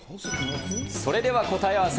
それでは答え合わせ。